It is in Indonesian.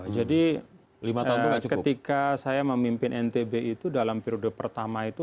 jadi ketika saya memimpin ntb itu dalam periode pertama itu